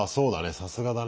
さすがだね。